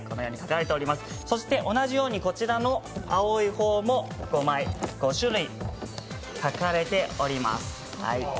そして、同じようにこちらの青い方も、５枚、５種類描かれております。